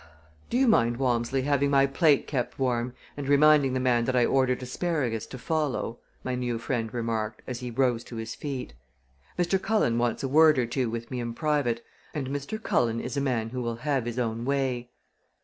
"Do you mind, Walmsley, having my plate kept warm and reminding the man that I ordered asparagus to follow?" my new friend remarked, as he rose to his feet. "Mr. Cullen wants a word or two with me in private, and Mr. Cullen is a man who will have his own way."